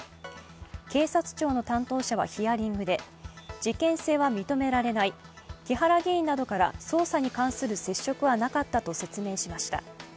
警察庁の担当者はヒアリングで事件性は認められない、木原議員などから捜査に関する接触はなかったと説明しました。